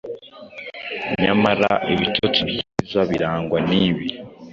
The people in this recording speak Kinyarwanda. Nyamara ibitotsi byiza birangwa nibi